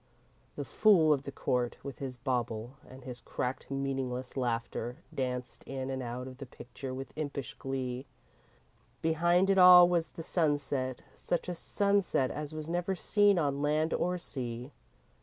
The fool of the court, with his bauble and his cracked, meaningless laughter, danced in and out of the picture with impish glee. Behind it all was the sunset, such a sunset as was never seen on land or sea.